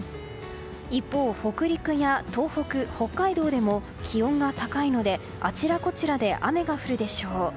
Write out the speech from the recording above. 一方、北陸や東北、北海道でも気温が高いのであちらこちらで雨が降るでしょう。